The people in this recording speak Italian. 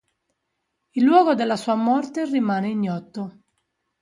Il luogo della sua morte rimane ignoto.